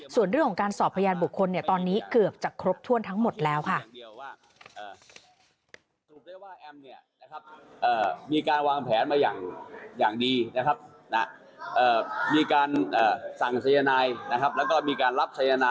ส่วนเรื่องของการสอบพยานบุคคลตอนนี้เกือบจะครบถ้วนทั้งหมดแล้วค่ะ